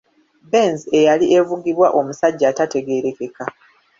Benz eyali evugibwa omusajja ataategerekeka.